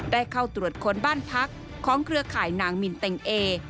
ได้เข้าตรวจค้นบ้านพักของเครือข่ายนางมินเต็งเอ